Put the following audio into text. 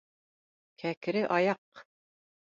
— Кәкре аяҡ.